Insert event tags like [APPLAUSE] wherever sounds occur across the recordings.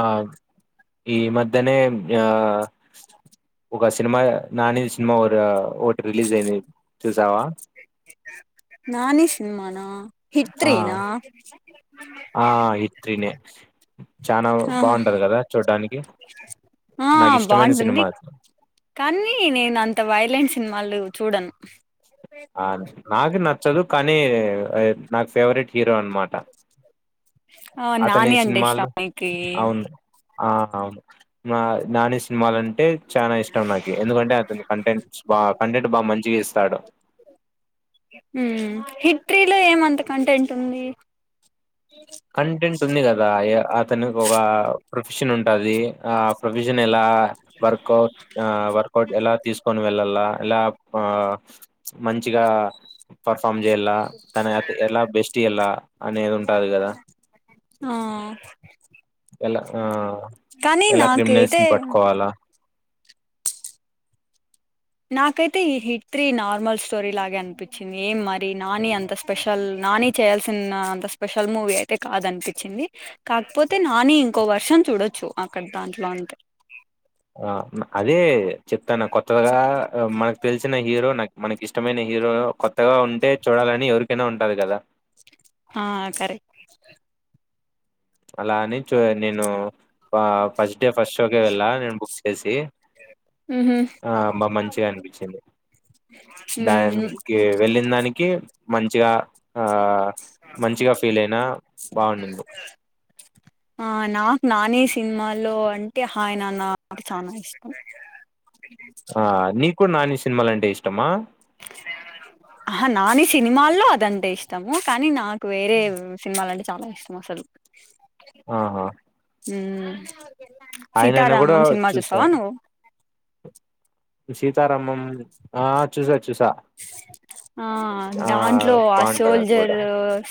ఆ ఈ మద్ దనే ఆ ఒక సినిమా నాని సినిమా ఒ ఒకటి రిలీజ్ అయింది చూసావా నాని సినిమానా హిట్ ఆ త్రీ నా ఆ హిట్ త్రీనే ఆహా ఆ నాకు ఇష్టమైన సినిమా బాగుంటుంది అది కానీ నేను అంత వైలెంట్స్ సినిమాలు చూడను ఆ నాకు నచ్చదు కానీ నాకు ఫేవరెట్ హీరో అనమాట ఆ అతని నాని అంటే సినిమాలు ఇష్టం మీకి అవును ఆ నా నాని సినిమాలంటే చాలా ఇష్టం నాకు ఎందుకంటే అతని కంటెంట్ బా కంటెంట్ బాగా మంచిగా ఇస్తాడు హిట్ త్రీ లో ఏమంత కంటెంట్ ఉంది కంటెంట్ ఉంది కదా అతనికి ఒక ప్రొఫెషన్ ఉంటాది ఆ ప్రొఫజన్ ఎలా వర్కౌట్ వర్కౌట్ ఎలా తీసుకొని వెళ్ళాల ఎలా మంచిగా పర్ఫామ్ చేయాల తన ఎలా బెస్ట్ ఇయాల అనేది ఉంటాది కదా ఆ ఎలా ఆ కానీ ఎలా క్లిప్ మినల్స్ నాకైతే ని పట్టుకోవాలా నాకైతే ఈ హిట్ త్రీ నార్మల్ స్టోరీ లాగే అనిపించింది ఏం మరి నాని అంత స్పెషల్ నాని చేయాల్సిన అంత స్పెషల్ మూవీ అయితే కాదనిపించింది కాకపోతే నాని ఇంకో వర్షన్ చూడొచ్చు అక్కడ దాంట్లో అంతే ఆ అదే చెప్తాన కొత్తగా మనకు తెలిసిన హీరో నాకు మనకి ఇష్టం మైనవి ఈరోజ కొత్తగా ఉంటే చూడాలని ఎవరికి కైనా ఉంటది కదా హా కరెక్ట్ అలా అని చు నేను ఫస్ట్ డే ఫస్ట్ షోకే వెళ్ళా నేను బుక్ చేసి మ్మ్ ఆ బా మంచిగా అనిపించింది హ్మ్ మ్మ్ దానికి వెళ్ళిన దానికి మంచిగా ఆ మంచిగా ఫీల్ అయినా బాగుండింది ఆ నాకు నానే సినిమాలో అంటే హాయ్ నాన్న చనా ఇష్టం ఆ నీకు కూడా నాని ఇష్ట సినిమాలంటే ఇష్టమా ఆహా నాని సినిమాల్లో అదంటే ఇష్టము కానీ నాకు వేరే సినిమాల అంటే చాలా ఇష్టం అసలు ఆహా మ్మ్ ఆయన అైనా కూడా సీతారామం సినిమా చూసా చూస్తావా నువ్వు సీతారామం ఆ చూస ఆ ఆ దాంట్లో ఆ బాగుంటది అది సోల్జర్ కూడా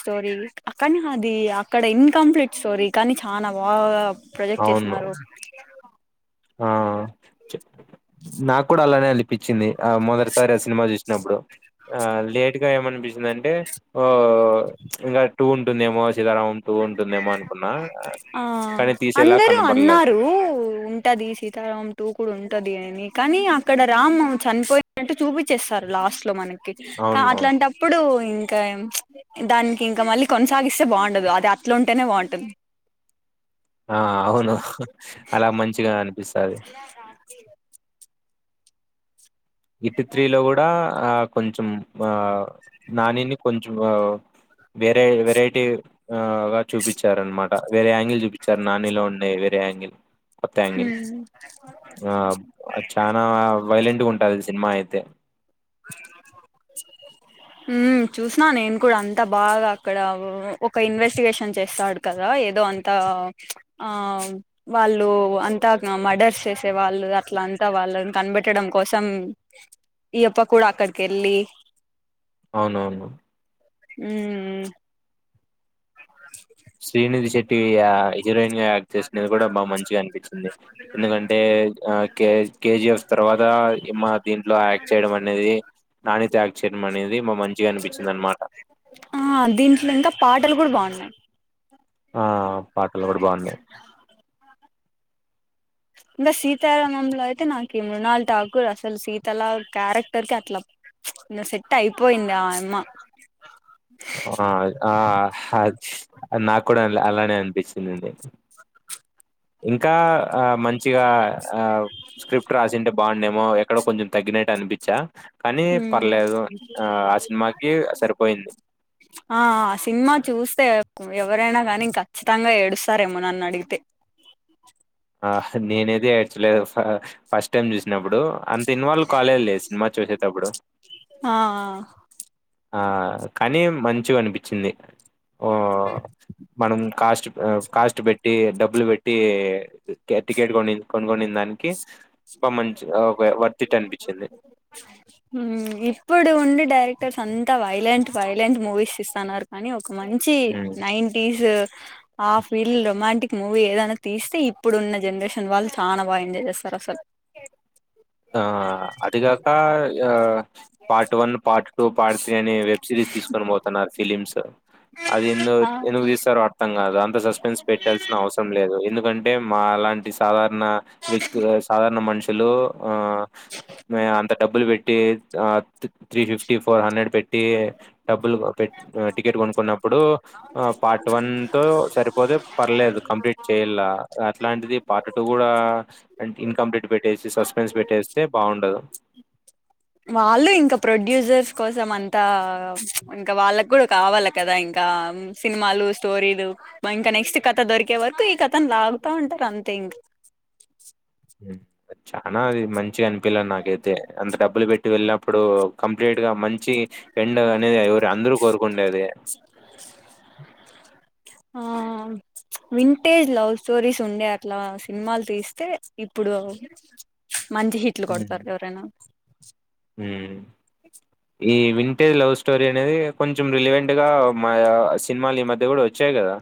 స్టోరీ అక్కని అది అక్కడ ఇన్కంప్లీట్ స్టోరీ కానీ చానా బాగా ప్రొజెక్ట్ అవును చేస్తున్నారు ఆ నాకు కూడా అలానే అనిపించింది ఆ మొదటిసారి ఆ సినిమా చూసినప్పుడు ఆ లేట్గా ఏమనిపి అంటే ఇంకా టూ తుందేమో ఆ కానీ తీసేలా అందరూ కనబడలేదు అన్నారు ఉంటది సీతారామం టూ కూడా ఉంటది అని కానీ అక్కడ రామ్ చనిపోయినట్టు చూపించేస్తారు లాస్ట్ లో మనకి అవునవును అట్లాంటప్పుడు ఇంకా దానికి ఇంకా మళ్ళీ కొనసాగిస్తే బాగుండదు అది అట్లు ఉంటేనే బాగుంటుంది ఆ అవును అలా మంచిగాని ఇలా కా [INAUDIBLE] హిట్ త్రీలో కూడా ఆ కొంచెం ఆ నానిని కొంచెం వెరై వెరైటీ ఆగా చూపించారనమాట వేరే యాంగిల్ చూపించారు నానిలో ఉండయి వేరే [UNINTELLIGIBLE] కొత్తంగిల్ ఆ చనా వైలెంట్ గా ఉంటుంది సినిమా అయితే హుమ్మ్ చూసిన నేను కూడా అంతా బాగా అక్కడ ఒక ఇన్వెస్టిగేషన్ చేస్తాడు కదా ఏదో అంత ఆ వాళ్ళు అంతా మర్డర్స్ చేసే వాళ్ళు అట్లంత వాళ్ళని కనిబెట్టడం కోసం ఈ యొక్క కూడా అక్కడికి ఎల్లీ అవునవును ఉమ్ [INAUDIBLE] ఇయా హీరోయిన్గా యాక్ట్ చేసినది కూడా బాగా మంచిగా అనిపించింది ఎందుకంటే కేజీఎఫ్ తర్వాత ఇమ్మ దీంట్లో యాక్ట్ చేయడం అనేది నాణ్యత యాక్ట్ చేయ మనేది ఆ దీంట్లో ఇంకా పాటలు కూడా బాగున్నాయి ఆ పాటలు కూడా బాగున్నాయి ఇంకా సీతారామంలో అయితే నాకు మృణాల్ ఠాకూర్ అసలు సీతల క్యారెక్టర్ కి అట్లా సెట్ అయిపోయింది ఆ అమ్మ ఆ ఆ నా కూడా అ అలానే అనిపించింది [INAUDIBLE] ఇంకా ఆ మంచి మంచిగా ఆ స్క్రిప్ట్ రాసింటే బాగుండేమో అక్కడ కొంచెం తగ్గినట్టు అనిపించా కానీ హ పర్లేదు ఆ ఆ సినిమాకి సరిపోయింది ఆ సినిమా చూస్తే ఎవరైనా కానీ ఇంక ఖచ్చితంగా ఏడుస్తారేమో నన్ను అడిగితే ఆ నేనేది ఏడ్చలేదు ఫస్ట్ టైమ్ చూసినప్పుడు దిన్వాల్వ్ కాలేదు లేదు సినిమా చూసేటప్పుడు ఆ ఆ కానీ మంచివి అనిపిచ్చింది ఓ మనం కాస్ట్ కాస్ట్ పెట్టి డబ్ బుల్ వేట్టి కె టికెట్ కొనిన్ కొన్గొనిన్ దానికి బామన్చ్ అ ఒకే వర్తిట్ అనిపిచ్చింది హుమ్ ఇప్పుడు ఉండి డైరెక్టర్స్ అంతా వైలెంట్ వైలెంట్ మూవీస్ ఇస్తన్నార్ కానీ ఒక మంచి హ్మ్. నైంటిస్ ఆ ఫీల్ రొమాంటిక్ మూవీ ఏదైనా తీస్తే ఇప్పుడున్న జనరేషన్ వాళ్ళు చాలా బాగా ఎంజాయ్ చేస్తారు అసల్ ఆ అదిప్ యకా ఆ part one part two part three అనే వెబ్ సిరీస్ తీసుకొని పోతున్నారు ఫిలిమ్స్ అది ఎందు ఆ ఎందుకు తీస్తారో అర్థం కాదు అంత సస్పెన్స్ పెట్టాల్సిన అవసరం లేదు ఎందుక్ కంటే మా అలాంటి సాధారణ న వ్యక్తు సాధారణ మనుషులు ఆ మేఆమ్ థ డబ్బులు పెట్టి ఆ త్ త్రీ ఫిఫ్టీ ఫోర్ హండ్రెడ్ పెట్టి డబ్బులు పెట్ టికెట్ కొనుక్కున్నప్పుడు అ పార్ట్ వన్ తో సరిపోదు పర్లేదు కంప్లీట్ చేయలా అట్లాంటిది పార్ట్ టూ కూడా అంట్ ఇన్కంప్లీట్ బేట్ ఎసీస్ అసోస్ మెంట్స్ పెట్టేస్తే బాగుండదు వాళ్ళు ఇంకా ప్రొడ్యూసర్స్ కోసం అంతా ఇంకా వాళ్ళకు కూడా కావాల కదా ఇంకా సినిమాలు స్టోరీలు ఇంకా నెక్స్ట్ కథ దొరికే వరకు ఈ కథను లాగుతా ఉంటారు అంతే ఇంకా మ్ చానా అది మం చి అన్పియలేద్ నాకైతే అంత డబ్బులు పెట్టి వెళ్లం ఇప్పుడు కంప్లీట్ గా మం చి ఎండ్ అనేది ఎవరు అందరూ కోరుకుండేది ఆ వింటేజ్ లవ్ స్టోరీస్ ఉండే అట్లా సినిమాలు తీస్తే ఇప్పుడు మంది హిట్లు హ్మ్. కొడతారు ఎవరేనా హ్మ్. ఈ వింటేజ్ లవ్ స్టోరీ అనేది కొంచెం రిలివెంట్గా మా సినిమాలు ఈ మధ్య కూడా వచ్చాయి కదా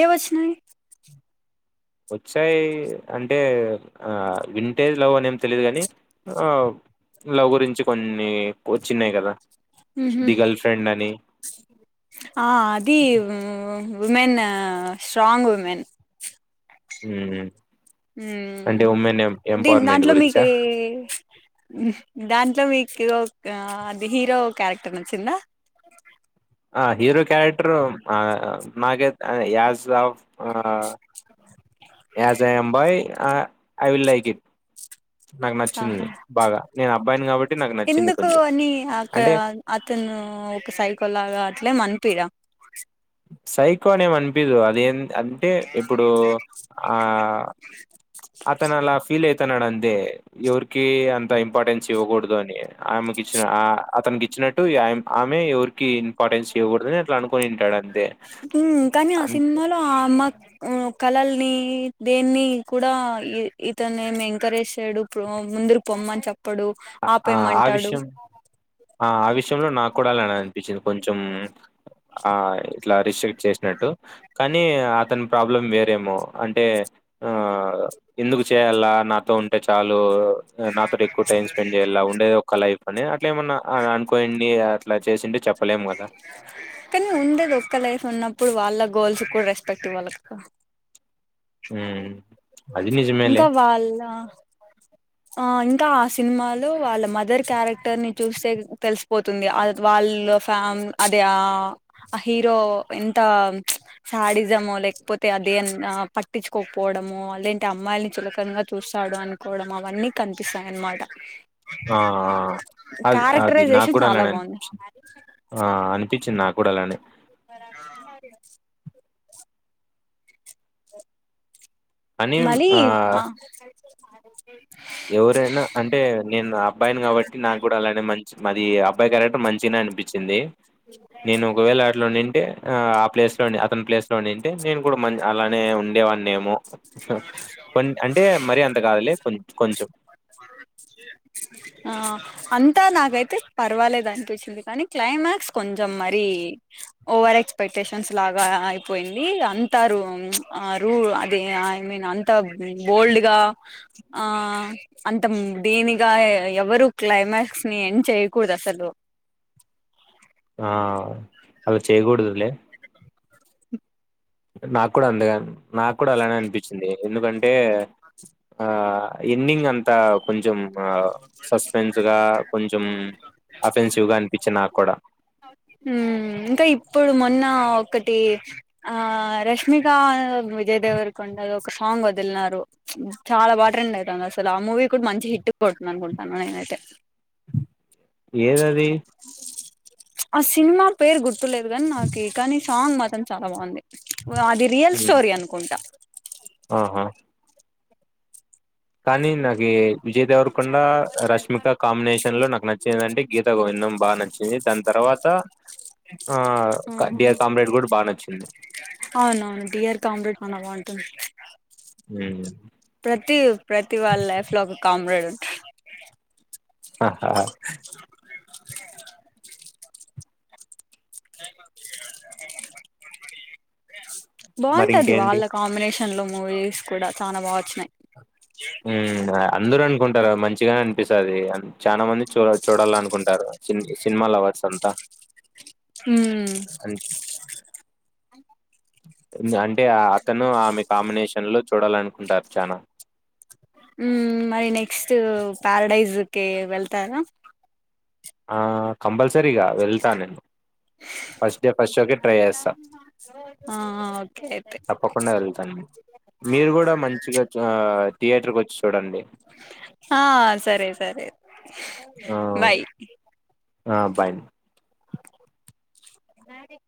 ఏవ్ ఒచ్చినయి వచ్చాయి అంటే వింటేది లవ్ అనేం తెలీయదు కాని లవ్ గురించి కొన్ని చిన్నాయి కదా మ్ హుమ్ ఆ అది వుమెన్ స్ట్రాంగ్ వుమెన్ మ్మ్ మ్మ్ దిన్ ఎంపవర్‌మెంట్ దాంట్లో మీక్ గురించా? ఎ దాంట్లో మీక్ ఒ ఆ అది హీరో క్యారెక్టర్ నచ్చిందా ఆ హీరో క్యారెక్టరు ఆ నాగైత్ యాస్ ఆఫ్ ఆ యాజ్ ఐయాం బై ఆ ఐ విల్ లైక్ ఇట్ నాకు ఆహా నచ్చింది బాగా. నేను అబ్బాయిని కాబట్టి నాకు నచ్చింది ఎందుకు కొంచెం. అని అక్కడ అంటే అతను ఒక సైకోల్లాగా అట్లే మనిపిదా [UNINTELLIGIBLE] సైకోనేేం అనిపిధు అదేం అంటే ఇప్పుడు ఆ అతను అలా ఫీల్ అయి త్తనడంతే ఎవరికి అంత్ త ఇంపార్టెన్స్ ఇవ్వకుడుదు అని ఆమెకి ఇచ్చిన ఆ అతనికి ఇచ్చినట్టు ఆమె ఎవర్ కిన్ ఇంపార్టెన్స్ చేయకూడద్ అట్లా అనునింటాడన్ ఉహ్మ్ కానీ ఆ సినిమాలో ఆమ కళల్ని దేన్ని కూడా ఈ ఇతను ఏ ఎంకరేజ్ చేయడు. ప్రో ముందురు పొమ్మని చెప్ ప్పుడు ఆ! ఆ ఆపేమంటాడు. విషయం ఆ ఆ విషయంలో నాకు కూడా అలా అనిపించింది కొంచెం. ఆ ఇట్లా రిస్ట్రిక్ట్ చేసినట్టు కానీ అతని ప్రాబ్లం వేరేమో. అంటే ఆ ఎందుకు చేయాల్ల నా తో ఉంటే చాలు నాతో ఎక్కువ టైం స్పెండ్ చేయాల్ల ఉండే ఒక లైఫ్ అని అట్లా ఏమన్నా అని అనుకోనీడి అట్లా చేసిన్ది కానీ ఉండేద్ ఒక్క లైఫ్ ‌ ఉన్నప్ ఇప్పుడు వాళ్ళ గోల్స్ కూడా రెస్పెక్ట్ ఇవ్వాలి కా. హ్మ్. అది నిజమేలే. ఇంకా వాళ్ళ ఆ ఇంకా ఆ సినిమాలో వాళ్ళ మదర్ క్యారెక్టర్ ని చూస్తే తెలిసిపోతుంది. అద్ వాళ్ళ ఫ్యామ్ అదే ఆ ఆ హీరో ఎంత శాడిజంమో లేకపోతే అదే అన్ పట్ పట్టించుకోకపోవడమో. లెంటే అమ్మాయిల్ని చులకనంగా చూస్తాడు అనుకోవడం అవన్నీ కనిపిస్తాయి. అనమాట ఆ ఆ అల్ అది నాకు క్యారెక్టరైజేషన్ కూడా చాలా అలానే బాగుంది అనిపించ్ ఆ అనిపించింది నాక్ [UNINTELLIGIBLE] మలీ వ్ ఆహ్ [UNINTELLIGIBLE] ఎవరైనా. అంటే నేను అబ్బాయిని కాబట్టి నాకు కూడా అలానే మంచ్ మాది అబ్బాయి క్యారెక్టర్ మంచ్ చిన్నె అనిపించింది. నేను ఒకవేళ అట్లో ఉనింటే ఆ ఆ ప్లేస్ లోని అతని ప్లేస్ లో ఉన్నింటే నేను కూడా మ అలానే ఉండేవాడిని ఏమో కొ అంటే మరి అంత కాదులే కొన్నీ ఆ అంతా నాకైతే పర్వాలేదనిపించింది కానీ క్లైమాక్స్ కొంచెం మరి ఓవర్ ఎక్స్పెక్టేషన్స్ లాగా అయిపోయింది అంతా రూ ఆ రూ ఐ మీన్ అంత బోల్డ్ గా ఆ అంత దేనిగా ఎవరు క్లైమాక్స్ ని ఎండ్ చేయకూడదు అసలు ఆ అలా చేయకూడదులే నాకు కూడాూ అందుగాని నాకు కూడా అలానే అనిపించింది ఎందుకంటే ఆ ఎండింగ్ అంతా కొంచెం సస్పెన్స్ గా కొంచెం అఫెన్సివ్ గా అనిపించి నాకు కూడా మ్ ఇంకా ఇప్పుడు మొన్న ఆ ఒకటి ఆ రష్మిక విజయ్ దేవర్ కొండ ఒక సాంగ్ వదిలినారు చాలా బాగా ట్రెండ్ అయితాంది అసలు ఆ మూవీ కూడా మంచి హిట్ కొడుతుంది అనుకుంటున్నాను నేను అయితే ఏది అది ఆ సినిమా పేరు గుర్తు గుర్తులేదు గాని నాకీ కానీ సాంగ్ మాత్రం చాలా బాగుంది అది రియల్ హ్మ్. స్టోరీ అనుకుంటా ఆహా కానీ నాకు విజయ్ దేవరకొండ రష్మిక కాంబినేషన్ లో నాకు నచ్చిందంటే గీతా గోవిందం బాగా నచ్చింది దాని తర్వాత ఆ డియర్ కామ్రేడ్ కూడా బాగా నచ్చింది అవునవును డియర్ కామ్రేడ్ చానా బాగుంటుంది ఉ ప్రతి ప్రతి వాళ్ళ లైఫ్ లో ఒక కామ్రెడ్ ఉ ఆహా మరి బాగుంటది ఇంకేంటి వాళ్ళ కాంబినేషన్ లో మూవీస్ కూడా చాలా బాగా వచ్చినాయి ఉ అందరు అనుకుంట అంటారు మంచిగానే అనిపిస్తుంది చాలా మంది చూడ చూడాల అనుకుంటారు సినిమా అవర్స్ అంతా మ్ అన్ అంటే అతను ఆమె కాంబినేషన్ లో చూడాలనుకుంటారు చానా మ్ మరి నెక్స్ట్ ప్యారడైజ్ కి వెళ్తారా ఆ కంపల్స్ రిగా వెళ్తా నేను ఫస్టుడే ఫస్ట్ షో కి ఆ ఓకేయితే తప్పకుండా వెళ్తాను. మీరు కూడా మంచిగా థియేటర్కి వచ్చి చూడండి. ఆ సరే సరే ఆ, బాయ్ ఆ బయన్ స్నాది